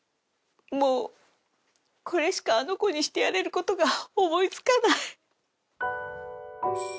もうこれしかあの子にしてやれることが思い付かない。